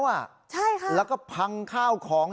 แล้วก็พังข้าวของ